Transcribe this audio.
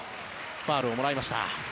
ファウルをもらいました。